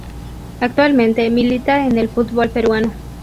Actualmente milita en el fútbol peruano.